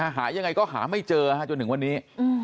หายังไงก็หาไม่เจอจนถึงวันนี้